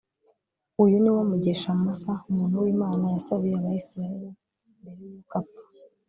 uyu ni wo mugisha musa, umuntu w’imana, yasabiye abayisraheli, mbere y’uko apfa.